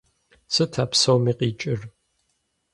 Сыт а псоми къикӏыр?!